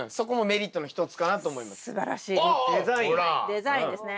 デザインですね。